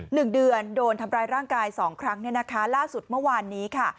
หนึ่งเดือนโดนทำร้ายร่างกายสองครั้งเนี่ยนะคะล่าสุดเมื่อวานนี้ค่ะ